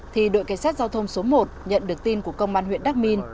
thì đội kế sát giao thông số một nhận được tin của công an huyện đắk minh